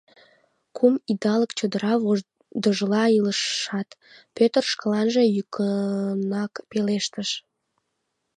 Кум идалык чодыра водыжла илышат, Пӧтыр шкаланже йӱкынак пелештыш: